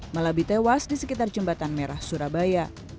melabi tewas di sekitar jembatan merah surabaya